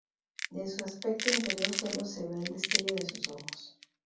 De su aspecto interior sólo se ve el destello de sus ojos.